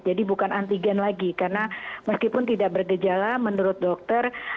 jadi bukan antigen lagi karena meskipun tidak bergejala menurut dokter